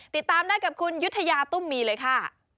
ติดตามได้กับคุณยุธยาตุ้มมีเลยค่ะ